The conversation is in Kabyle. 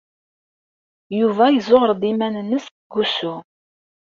Yuba yezzuɣer-d iman-nnes deg wusu.